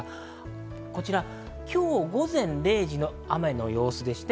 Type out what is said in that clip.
こちら今日午前０時の雨の様子です。